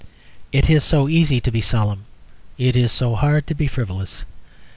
It is so easy to be solemn; it is so hard to be frivolous.